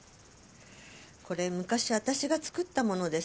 これ昔私が作ったものです。